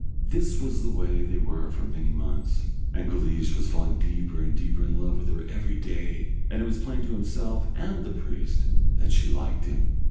This was the way they were for many months, and Guleesh was falling deeper and deeper in love with her every day, and it was plain to himself and the priest that she liked him.